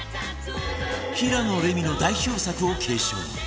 平野レミの代表作を継承